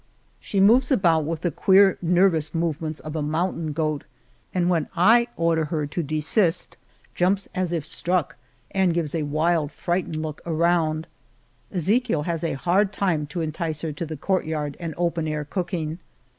She moves about with the queer, nervous movements of a mountain goat, and, when I order her to desist, jumps 69 The Cave of Montesinos as if struck and gives a wild, frightened look around. Ezechiel has a hard time to entice her to the courtyard and open air cooking.